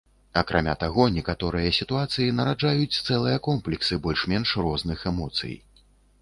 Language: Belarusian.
Акрамя таго, некаторыя сітуацыі нараджаюць цэлыя комплексы больш-менш розных эмоцый.